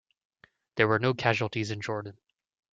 There were no casualties in Jordan.